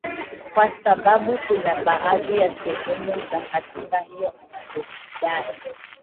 kwa sababu kuna baadhi ya sehemu za katiba hiyo anazodai